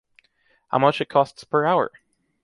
How much it costs per hour?